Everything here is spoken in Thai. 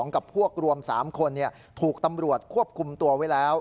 กับพวกรวม๓คนถูกตำรวจควบคุมตัวไว้แล้ว